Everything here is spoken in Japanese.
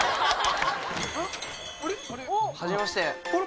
はじめまして。